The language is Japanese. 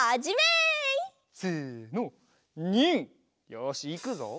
よしいくぞ。